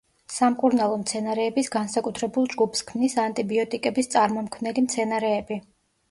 სამკურნალო მცენარეების განსაკუთრებულ ჯგუფს ქმნის ანტიბიოტიკების წარმომქმნელი მცენარეები.